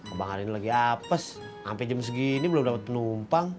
abang hari ini lagi apes sampai jam segini belum dapat penumpang